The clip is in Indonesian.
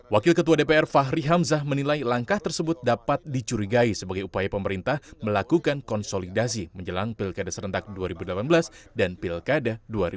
wakil ketua dpr fahri hamzah menilai langkah tersebut dapat dicurigai sebagai upaya pemerintah melakukan konsolidasi menjelang pilkada serentak dua ribu delapan belas dan pilkada dua ribu delapan belas